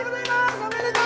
おめでとう！